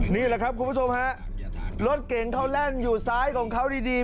นี่แหละครับคุณผู้ชมฮะรถเก่งเขาแล่นอยู่ซ้ายของเขาดี